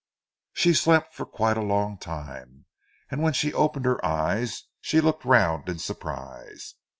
She slept for quite a long time, and when she opened her eyes, she looked round in surprise.